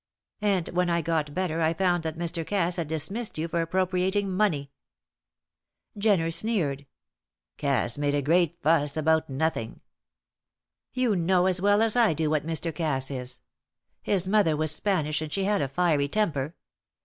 And when I got better I found that Mr. Cass had dismissed you for appropriating money." Jenner sneered. "Cass made a great fuss about nothing." "You know as well as I do what Mr. Cass is. His mother was Spanish, and he had a fiery temper.